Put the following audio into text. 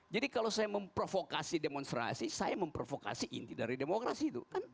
jadi kalau saya memprovokasi demonstrasi saya memprovokasi inti dari demokrasi